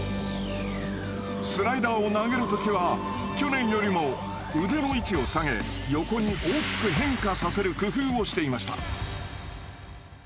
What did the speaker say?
スライダーを投げる時は去年よりも腕の位置を下げ横に大きく変化させる工夫をしていました。